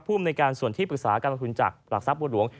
ภูมิในการส่วนที่ปรึกษาการลงทุนจากหลักทรัพย์บัวหลวง